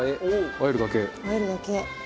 和えるだけ。